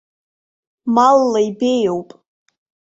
Малла ибеиоуп.